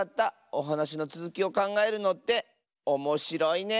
おはなしのつづきをかんがえるのっておもしろいね。